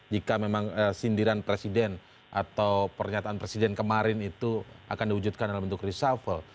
jika memang sindiran presiden atau pernyataan presiden kemarin itu akan diwujudkan dalam bentuk reshuffle